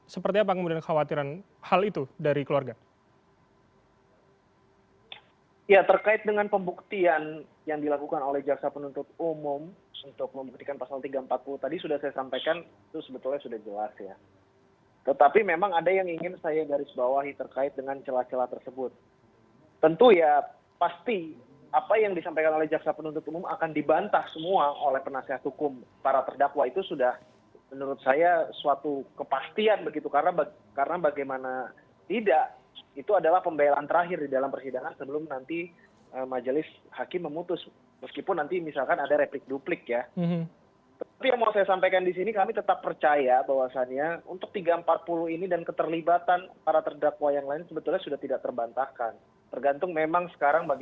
seperti apa kemudian kekhawatiran hal itu dari keluarga